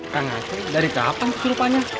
kang haci dari kapan kesurupannya